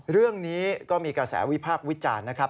เรื่องนี้ก็มีกระแสวิพากษ์วิจารณ์นะครับ